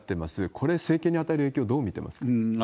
これ、政権に与える影響どう見てますか？